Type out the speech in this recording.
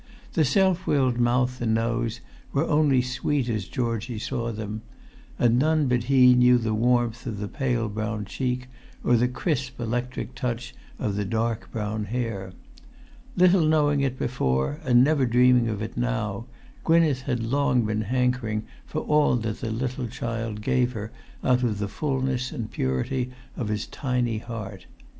The self willed mouth and nose were only sweet as Georgie saw them; and none but he knew the warmth of the pale brown cheek or the crisp electric touch of the dark brown hair. Little knowing it before, and never dreaming of it now, Gwynneth had long been hankering for all that the little child gave her out of the fulness and purity of his tiny heart.